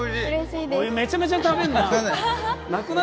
めちゃめちゃ食べるな。